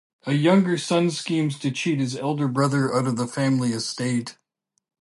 A younger son schemes to cheat his elder brother out of the family estate.